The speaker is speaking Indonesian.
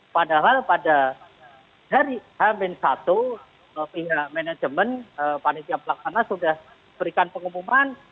padahal pada hari h satu pihak manajemen panitia pelaksana sudah berikan pengumuman